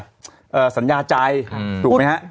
เพราะเหตุการณ์แรกเลยนะครับคุณผู้ชมครับว่า